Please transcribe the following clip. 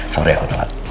sorry aku telat